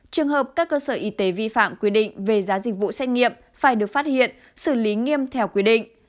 trường hợp các cơ sở y tế vi phạm quy định về giá dịch vụ xét nghiệm phải được phát hiện xử lý nghiêm theo quy định